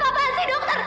eh apaan sih dokter